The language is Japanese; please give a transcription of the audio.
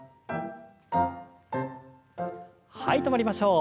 はい止まりましょう。